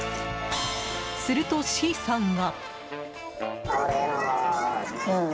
すると、Ｃさんが。